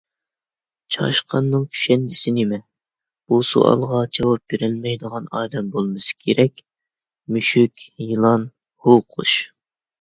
چاشقاننىڭ كۈشەندىسى نېمە؟ بۇ سوئالغان جاۋاب بېرەلمەيدىغان ئادەم بولمىسا كېرەك: مۈشۈك، يىلان، ھۇۋقۇش.